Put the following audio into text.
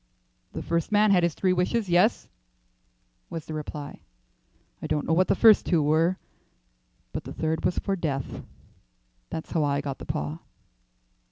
"The first man had his three wishes. Yes," was the reply; "I don't know what the first two were, but the third was for death. That's how I got the paw."